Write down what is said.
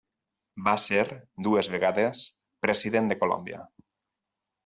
Va ser dues vegades President de Colòmbia.